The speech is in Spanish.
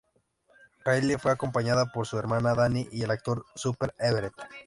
Kylie fue acompañada por su hermana Dannii y el actor Rupert Everett.